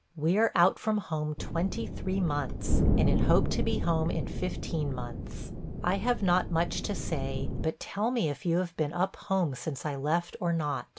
We are out from home twenty three months, and in hope to be home in fifteen months. I have not much to say; but tell me if you have been up home since I left or not.